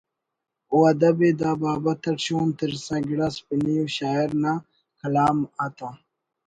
و ادب ءِ دا بابت اٹ شون ترسا گڑاس پِنی ءُ شاعر نا کلام آتا